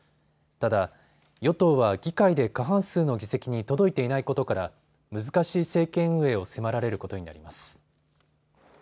ただ与党は議会で過半数の議席に届いていないことから難しい政権運営を迫られることになります。